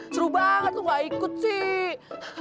seru banget lu gak ikut sih